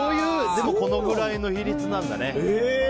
でもこのぐらいの比率なんだね。